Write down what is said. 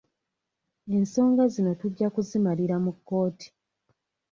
Ensonga zino tujja kuzimalira mu kkooti.